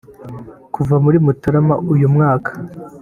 Kuva muri Mutarama uyu mwaka